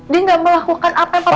dia nggak melakukan apa yang papa